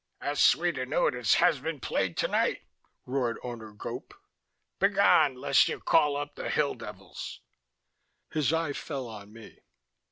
"As sweet a note as has been played tonight," roared Owner Gope. "Begone, lest you call up the hill devils " His eye fell on me.